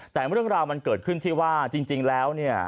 แต่เรื่องราวมันเกิดขึ้นที่ว่าจริงแล้วเนี่ย